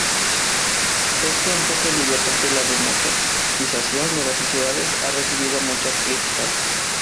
Este enfoque liberal de la democratización de las sociedades ha recibido muchas críticas.